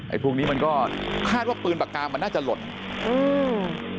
พวกนี้มันก็คาดว่าปืนปากกามันน่าจะหล่นอืม